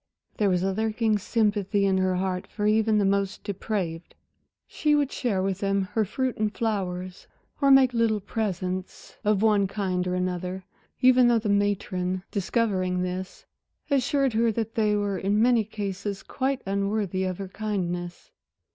There was a lurking sympathy in her heart for even the most depraved. She would share with them her fruit and flowers, or make little presents of one kind or another, even though the matron, discovering this assured her that they were in many cases quite unworthy of her kindness.